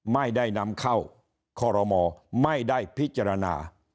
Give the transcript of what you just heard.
ไม่ได้นำเข้าคอรมอไม่ได้พิจารณา